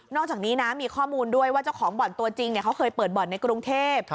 จากนี้นะมีข้อมูลด้วยว่าเจ้าของบ่อนตัวจริงเขาเคยเปิดบ่อนในกรุงเทพ